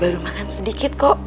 baru makan sedikit kok